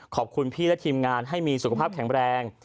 ขอบคุณพี่และทีมงานให้มีสุขภาพแข็งแรง